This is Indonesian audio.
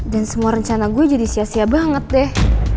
dan semua rencana gue jadi sia sia banget deh